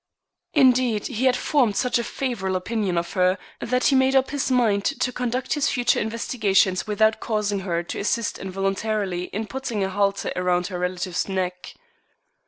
Indeed, he had formed such a favorable opinion of her that he had made up his mind to conduct his future investigations without causing her to assist involuntarily in putting a halter around her relative's neck.